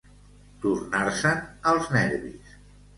Tornar-se'n els nervis.